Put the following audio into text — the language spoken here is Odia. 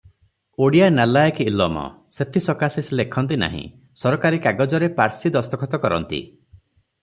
ଓଡ଼ିଆ ନାଲାଏକ୍ ଇଲମ, ସେଥିସକାଶେ ସେ ଲେଖନ୍ତି ନାହିଁ, ସରକାରୀ କାଗଜରେ ପାର୍ଶି ଦସ୍ତଖତ କରନ୍ତି ।